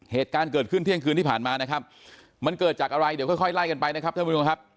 เหตุการณ์เกิดขึ้นเที่ยงคืนที่ผ่านมานะครับมันเกิดจากอะไรเดี๋ยวค่อยไล่กันไปนะครับ